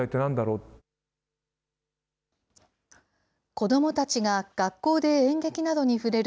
子どもたちが学校で演劇などに触れる